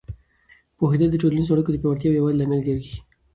پوهېدل د ټولنیزو اړیکو د پیاوړتیا او یووالي لامل کېږي.